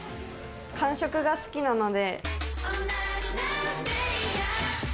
寒色が好きなので。